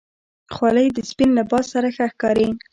خولۍ د سپین لباس سره ښه ښکاري.